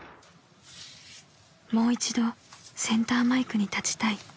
［「もう一度センターマイクに立ちたい」］